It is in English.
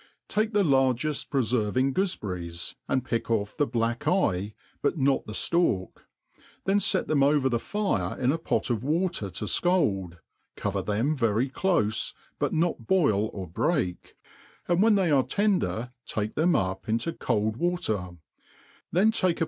< TAKE the largcft prcferving goofeberries, and pick off the black eye, but not the ftalk ; then fet them over the^ire in a pot of water to fcald, cover them very cbfc, but not boil or break, and when they are tender take them up into cold wa ter } then take a.